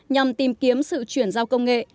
nhằm tìm kiếm sự chuyển giao công nghệ